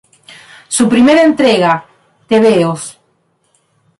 Su primera entrega, "Tebeos.